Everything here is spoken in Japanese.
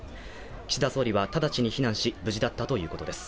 岸田総理は直ちに避難し無事だったということです。